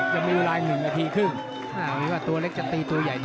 นี่มีรายนึงนาทีครึ่งตัวเล็กจะตีตัวใหญ่นะฮะ